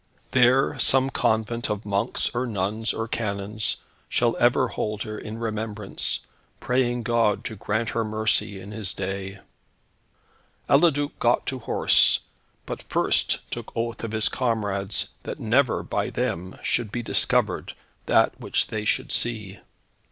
There some convent of monks or nuns or canons shall ever hold her in remembrance, praying God to grant her mercy in His day." Eliduc got to horse, but first took oath of his comrades that never, by them, should be discovered, that which they should see.